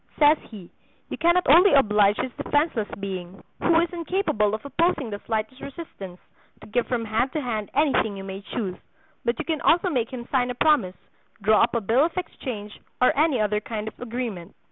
Says he: "You cannot only oblige this defenseless being, who is incapable of opposing the slightest resistance, to give from hand to hand anything you may choose, but you can also make him sign a promise, draw up a bill of exchange, or any other kind of agreement.